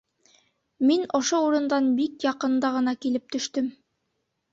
Мин ошо урындан бик яҡында ғына килеп төштөм...